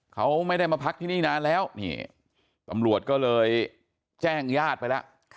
เขาไม่ได้มาพักที่นี่นานแล้วนี่ตำรวจก็เลยแจ้งญาติไปแล้ว